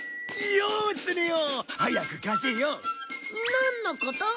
なんのこと？